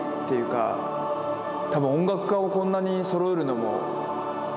多分音楽家をこんなにそろえるのも。